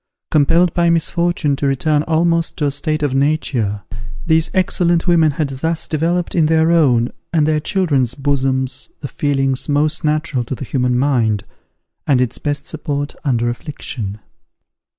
Compelled by misfortune to return almost to a state of nature, these excellent women had thus developed in their own and their children's bosoms the feelings most natural to the human mind, and its best support under affliction.